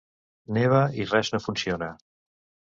Neva i res no funciona.